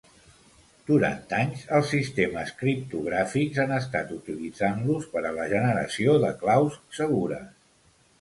Durant anys els sistemes criptogràfics han estat utilitzant-los per a la generació de claus segures.